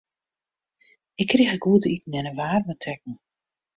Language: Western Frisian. Ik krige goed te iten en in waarme tekken.